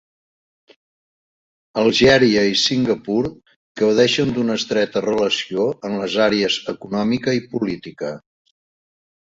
Algèria i Singapur gaudeixen d'una estreta relació en les àrees econòmica i política.